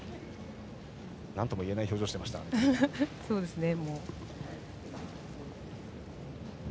なんともいえない表情をしていましたね。